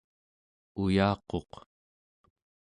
uyaquq